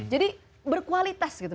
jadi berkualitas gitu